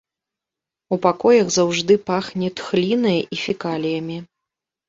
У пакоях заўжды пахне тхлінай і фекаліямі.